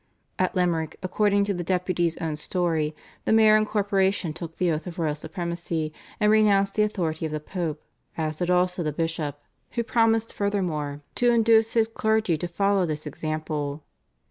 At Limerick, according to the Deputy's own story, the mayor and corporation took the oath of Royal Supremacy, and renounced the authority of the Pope, as did also the bishop, who promised furthermore to induce his clergy to follow this example.